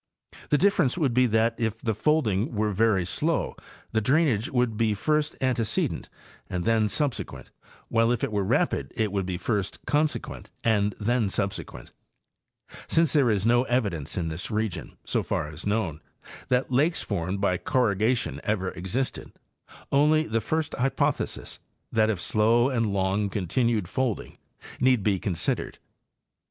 The difference would be that if the folding were very slow the drainage would be first antecedent and then subse quent, while if it were rapid it would be first consequent and then subsequent. Since there is no evidence in this region, so far as known, that lakes formed by corrugation ever existed, only the first hypothesis—that of slow and long continued folding—need 102 Hayesand Campbell—Appalachian Geomorphology. be considered.